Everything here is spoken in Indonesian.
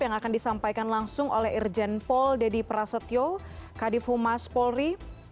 yang akan disampaikan langsung oleh irjen pol deddy prasetyo kadifu mas polri